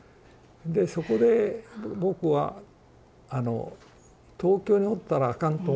でそこで僕は「東京におったらあかん」と思ったんですよね